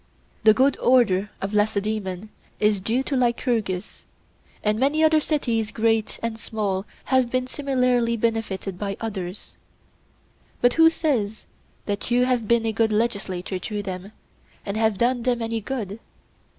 The good order of Lacedaemon is due to Lycurgus, and many other cities great and small have been similarly benefited by others; but who says that you have been a good legislator to them and have done them any good?